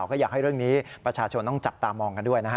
ก็อยากให้เรื่องนี้ประชาชนต้องจับตามองกันด้วยนะฮะ